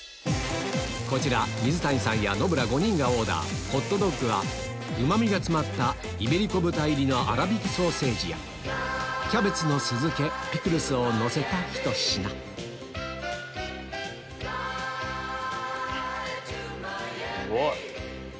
こちら水谷さんやノブら５人がオーダーうま味が詰まったイベリコ豚入りの粗びきソーセージやキャベツの酢漬けピクルスをのせたひと品すごい！